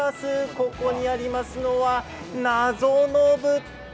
ここにありますのは謎の物体。